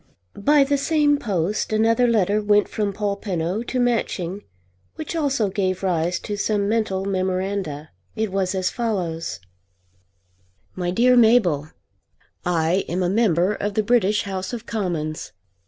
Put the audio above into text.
By the same post another letter went from Polpenno to Matching which also gave rise to some mental memoranda. It was as follows: MY DEAR MABEL, I am a Member of the British House of Commons!